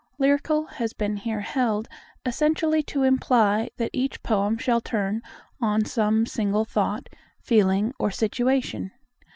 Lyrical has been here held essentially to imply that each poem shall turn on some single thought, feeling, or situation.